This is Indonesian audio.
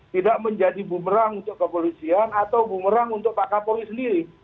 tidak menjadi bumerang untuk kepolisian atau bumerang untuk pak kapolri sendiri